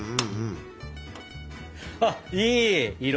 あっいい色！